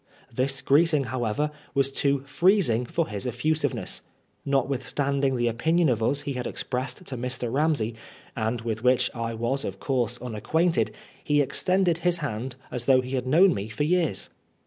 This greeting, however, was too freezing for his effusiveness* Notwithstanding the opinion of us he had expressed to Mr. Bamsey, and with which I was of course unacquainted, he extended his hand as though he had. known me for years.